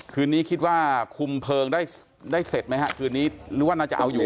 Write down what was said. คืนนี้คิดว่าคุมเพลิงได้ได้เสร็จไหมฮะคืนนี้หรือว่าน่าจะเอาอยู่